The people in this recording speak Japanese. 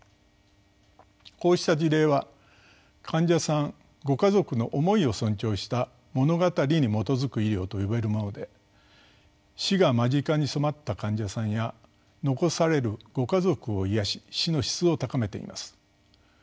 こうした事例は患者さんご家族の思いを尊重した「物語に基づく医療」と呼べるもので死が間近に迫った患者さんや残されるご家族を癒やし「死の質」を高めています。